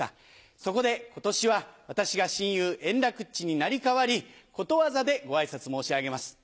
そこで今年は私が親友円楽っちに成り代わりことわざでご挨拶申し上げます。